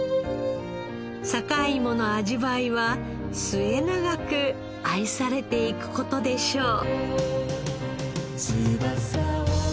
坂井芋の味わいは末永く愛されていく事でしょう。